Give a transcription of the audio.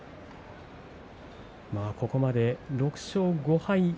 ここまで６勝５敗。